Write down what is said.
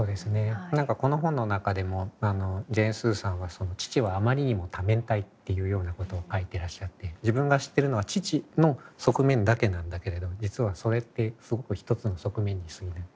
何かこの本の中でもジェーン・スーさんは父はあまりにも多面体っていうようなことを書いていらっしゃって自分が知ってるのは父の側面だけなんだけれど実はそれってすごく一つの側面にすぎない。